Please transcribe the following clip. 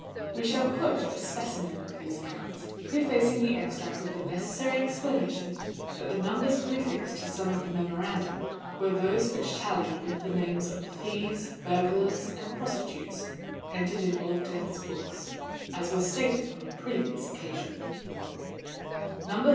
We shall quote a specimen of these accounts, prefacing the extract with the necessary explanation that the numbers prefixed to some of the memoranda were those which tallied with the names of the thieves, burglars, or prostitutes entered in Old Death's books, as was stated on a previous occasion:— _No.